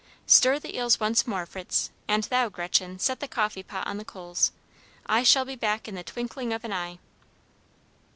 Stir the eels once more, Fritz; and thou, Gretchen, set the coffee pot on the coals. I shall be back in the twinkling of an eye."